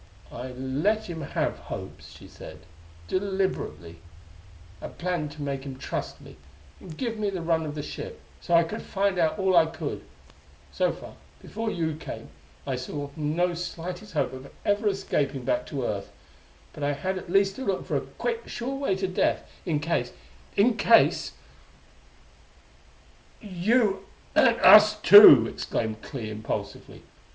"I let him have hopes," she said, " deliberately. I planned to make him trust me, and give me the run of the ship, so I could find out all I could. So far before you came I saw no slightest hope of ever escaping back to Earth; but I had at least to look for a quick, sure way to death, in case in case " "You and us too!" exclaimed Clee impulsively.